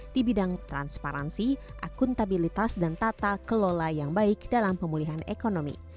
di bidang transparansi akuntabilitas dan tata kelola yang baik dalam pemulihan ekonomi